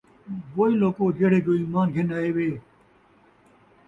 وُوئے لوکو جِہڑے جو ایمان گِھن آئیوے!